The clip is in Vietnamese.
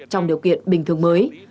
trong điều kiện bình thường mới